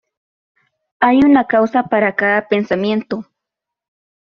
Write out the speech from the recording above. Hay una causa para cada pensamiento.